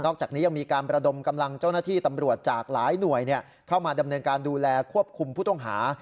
จากนี้ยังมีการประดมกำลังเจ้าหน้าที่ตำรวจจากหลายหน่วยเข้ามาดำเนินการดูแลควบคุมผู้ต้องหา